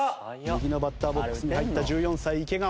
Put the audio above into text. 右のバッターボックスに入った１４歳池川。